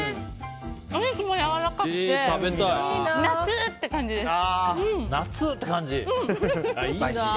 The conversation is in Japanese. お肉もやわらかくて夏！って感じです。